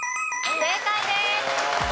正解です。